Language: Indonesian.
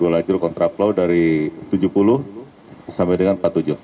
dua lajur kontraplow dari tujuh puluh sampai dengan empat puluh tujuh